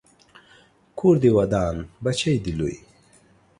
کور دې ودان، بچی دې لوی